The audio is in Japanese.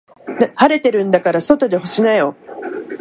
晴れてるんだから外で干しなよ。